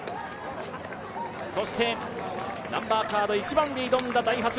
そしてナンバーカード１番で挑んだダイハツ